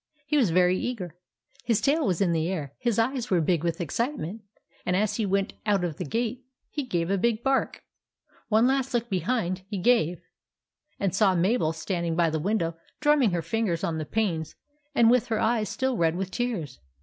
He was very eager. His tail was in the air, his eyes were big with excitement, and as he went out of the gate he gave a big bark. One last look behind he gave, and saw Mabel standing by the window drumming with her fingers on the panes and with her eyes still red with tears.